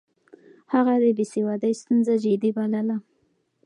هغه د بې سوادۍ ستونزه جدي بلله.